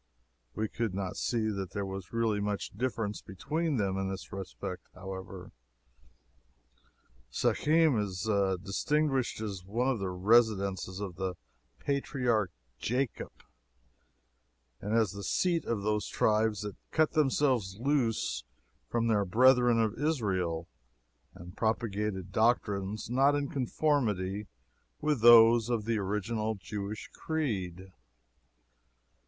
We could not see that there was really much difference between them in this respect, however. Shechem is distinguished as one of the residences of the patriarch Jacob, and as the seat of those tribes that cut themselves loose from their brethren of Israel and propagated doctrines not in conformity with those of the original Jewish creed.